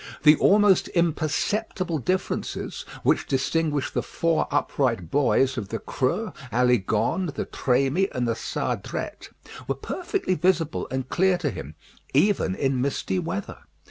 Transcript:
The almost imperceptible differences which distinguish the four upright buoys of the Creux, Alligande, the Trémies, and the Sardrette, were perfectly visible and clear to him, even in misty weather.